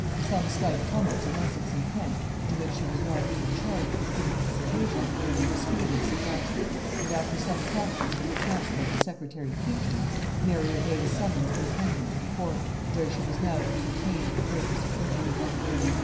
Some slight tumults in Essex and Kent, in which she was not even charged with any participation, were speedily suppressed; and after some conference with the chancellor and secretary Petre, Mary obeyed a summons to attend them to the court, where she was now to be detained for greater security.